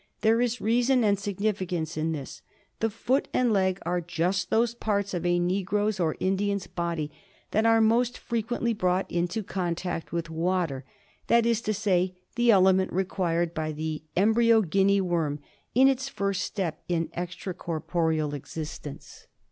There is reason and significance in this. The foot and leg are just those parts of a Negro's or Indian's body that are most frequently brought into con tact with water — that is to say, the element required by the embryo Guinea worm in its first step in extra corporeal existence.